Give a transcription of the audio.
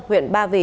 huyện ba vì